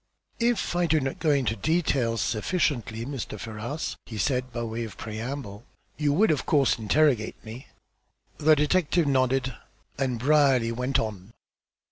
"If I do not go into details sufficiently, Mr. Ferrars," he said, by way of preamble, "you will, of course, interrogate me." The detective nodded, and Brierly went on.